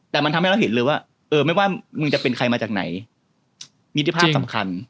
แต่มันทำให้เราเห็นเลยว่าเออไม่ว่ามึงจะเป็นใครมาจากไหนมิตรภาพสำคัญ